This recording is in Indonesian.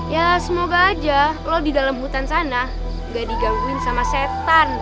ya semoga aja kalau di dalam hutan sana nggak digangguin sama setan